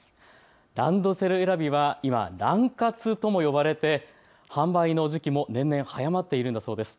ランドセル選びは今、ラン活とも呼ばれて販売の時期も年々早まっているんだそうです。